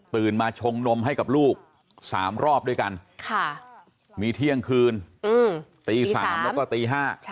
มาชงนมให้กับลูก๓รอบด้วยกันมีเที่ยงคืนตี๓แล้วก็ตี๕